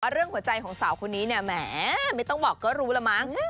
เรื่องหัวใจของสาวคนนี้เนี่ยแหมไม่ต้องบอกก็รู้แล้วมั้ง